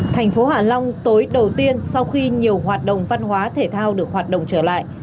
thành phố hạ long tối đầu tiên sau khi nhiều hoạt động văn hóa thể thao được hoạt động trở lại